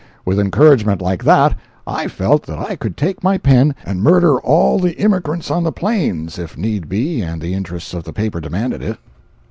With encouragement like that, I felt that I could take my pen and murder all the immigrants on the plains if need be and the interests of the paper demanded it.